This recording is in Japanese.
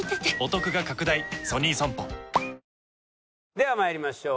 ではまいりましょう。